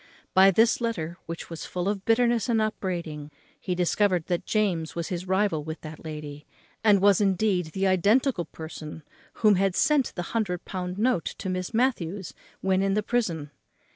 By this letter, which was full of bitterness and upbraiding, he discovered that James was his rival with that lady, and was, indeed, the identical person who had sent the hundred pound note to Miss Matthews, when in the prison.